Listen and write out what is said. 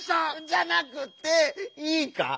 じゃなくていいか？